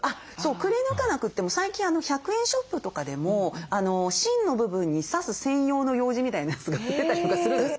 くりぬかなくても最近１００円ショップとかでも芯の部分に刺す専用のようじみたいなやつが売ってたりとかするんです。